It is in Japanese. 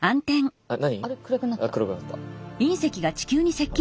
あっ何？